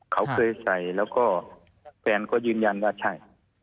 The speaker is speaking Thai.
เขาเคยใส่แล้วก็แฟนก็ยืนยันว่าใช่